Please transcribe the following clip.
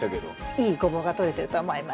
いいゴボウがとれてると思います。